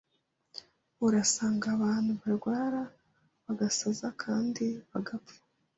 urasanga abantu barwara bagasaza kandi bagapfa